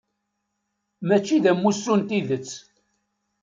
Mačči d amussu n tidet.